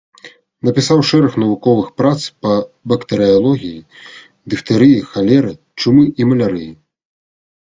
Напісаў шэраг навуковых прац па бактэрыялогіі, дыфтэрыі, халеры, чумы і малярыі.